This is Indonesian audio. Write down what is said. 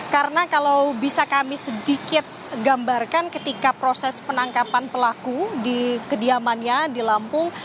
karena kalau bisa kami sedikit gambarkan ketika proses penangkapan pelaku di kediamannya di lampung